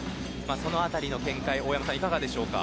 その辺りの見解いかがでしょうか。